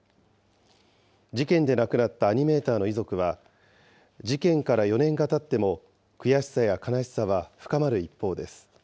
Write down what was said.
事件で亡くなったアニメーターの遺族は、事件から４年がたっても悔しさや悲しさは深まる一方です。